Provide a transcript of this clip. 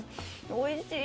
おいしい！